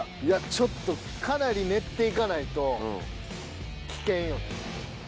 いやちょっとかなり練っていかないと危険よね。